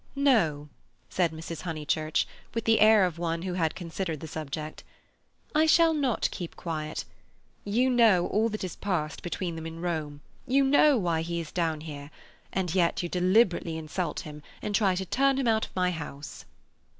"No," said Mrs. Honeychurch, with the air of one who has considered the subject, "I shall not keep quiet. You know all that has passed between them in Rome; you know why he is down here, and yet you deliberately insult him, and try to turn him out of my house."